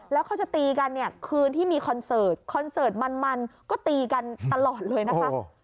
แล้วเขาจะตีกันเนี่ยคืนที่มีคอนเสิร์ตคอนเสิร์ตมันก็ตีกันตลอดเลยนะคะ